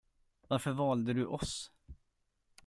Varför valde du oss?